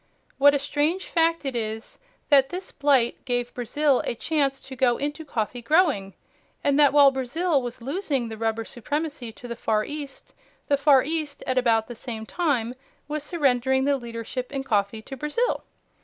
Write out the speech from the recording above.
What a strange fact it is that this blight gave Brazil a chance to go into coffee growing, and that while Brazil was losing the rubber supremacy to the Far East, the Far East at about the same time was surrendering the leadership in coffee to Brazil.